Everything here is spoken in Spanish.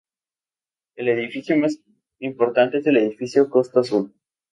El edificio más importante es el edificio "Costa Azul".